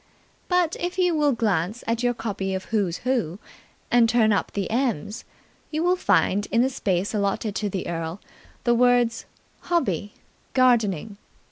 But if you will glance at your copy of Who's Who, and turn up the "M's", you will find in the space allotted to the Earl the words "Hobby Gardening".